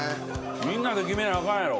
みんなで決めなあかんやろ。